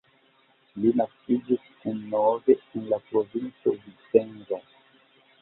Li naskiĝis en Nove en la provinco Vicenza.